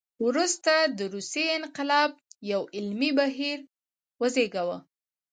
وروسته د روسیې انقلاب یو عملي بهیر وزېږاوه.